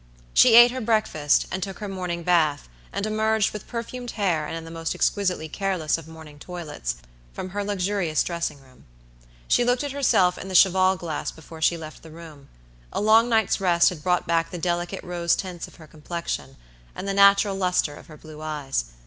She ate her breakfast, and took her morning bath, and emerged, with perfumed hair and in the most exquisitely careless of morning toilets, from her luxurious dressing room. She looked at herself in the cheval glass before she left the room. A long night's rest had brought back the delicate rose tints of her complexion, and the natural luster of her blue eyes.